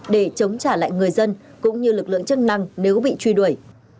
để chống trả lại người dân cũng như lực lượng chức năng nếu bị truy đuổi